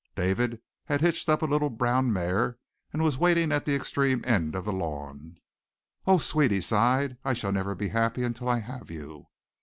David had hitched up a little brown mare and was waiting at the extreme end of the lawn. "Oh, Sweet," he sighed. "I shall never be happy until I have you."